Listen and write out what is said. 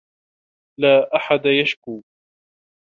لا أحد يشكو.